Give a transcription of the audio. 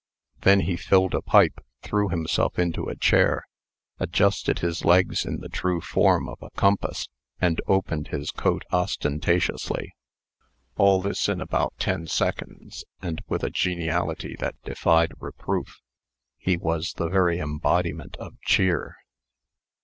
Then he filled a pipe, threw himself into a chair, adjusted his legs in the true form of a compass, and opened his coat ostentatiously. All this in about ten seconds, and with a geniality that defied reproof. He was the very embodiment of cheer.